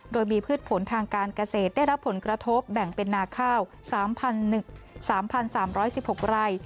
โดยมีพืชผลทางการเกษตรได้รับผลกระทบแบ่งเป็นนาข้าว๓๓๑๖ไร่